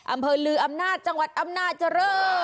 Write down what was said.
อำเภอลืออำนาจจังหวัดอำนาจริง